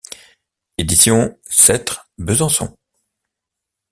Editions Cêtre - Besançon.